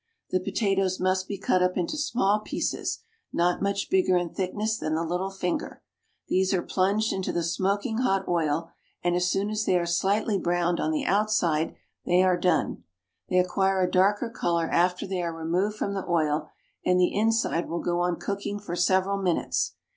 The potatoes must be cut up into small pieces, not much bigger in thickness than the little finger; these are plunged into the smoking hot oil, and as soon as they are slightly browned on the outside they are done. They acquire a darker colour after they are removed from the oil, and the inside will go on cooking for several minutes.